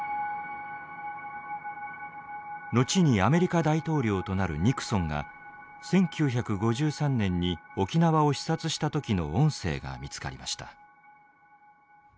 後にアメリカ大統領となるニクソンが１９５３年に沖縄を視察した時の音声が見つかりました。